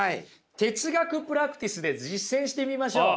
哲学プラクティスで実践してみましょう。